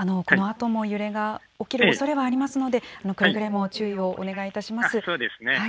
このあとも揺れが起きるおそれはありますので、くれぐれも注意をお願いいたしまそうですね。